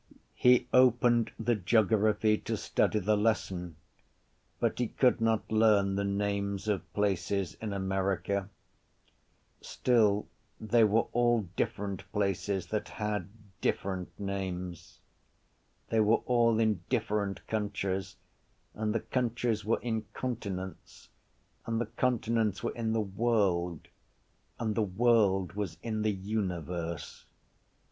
He opened the geography to study the lesson; but he could not learn the names of places in America. Still they were all different places that had different names. They were all in different countries and the countries were in continents and the continents were in the world and the world was in the universe.